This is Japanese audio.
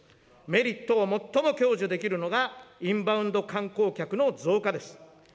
メリットを最も享受できるのが、インバウンド観光客の増加です。